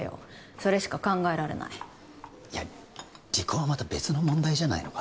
それしか考えられないいや離婚はまた別の問題じゃないのか？